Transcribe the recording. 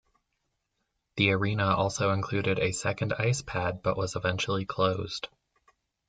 The arena also included a second ice pad but was eventually closed.